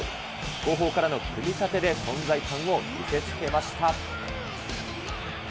後方からの組み立てで、存在感を見せつけました。